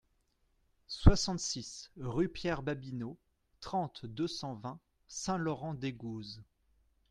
soixante-six rue Pierre-Babinot, trente, deux cent vingt, Saint-Laurent-d'Aigouze